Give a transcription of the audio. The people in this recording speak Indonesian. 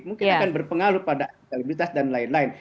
mungkin akan berpengaruh pada elektabilitas dan lain lain